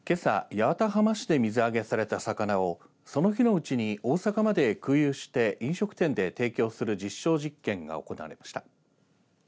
八幡浜市で水揚げされた魚をその日のうちに大阪まで空輸して飲食店で提供する実証実験が行われました。